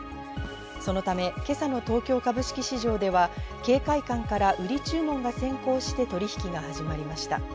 そのため、今朝の東京株式市場では警戒感から売り注文が先行して取引が始まりました。